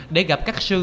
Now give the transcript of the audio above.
để gặp các sư